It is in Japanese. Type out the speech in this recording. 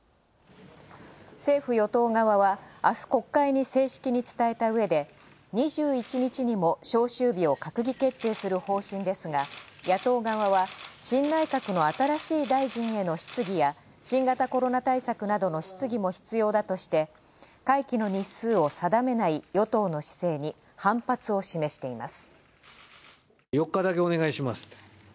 政府与党側は、明日国会に正式に伝えた上で２１日にも召集日を閣議決定する方針ですが、野党側は「新内閣の新しい大臣への質疑や新型コロナ対策などの質疑も必要だ」として、会期の日数を定めない与党の姿勢に反発を示しています。